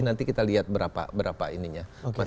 nanti kita lihat berapa berapa ininya